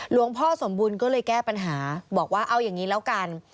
หลวงพ่อสมบูรณ์ก็เลยแก้ปัญหาบอกว่าเอาอย่างนี้แล้วกัน